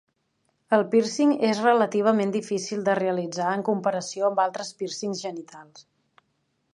El pírcing és relativament difícil de realitzar en comparació amb altres pírcings genitals.